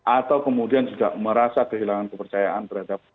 atau kemudian juga merasa kehilangan kepercayaan terhadap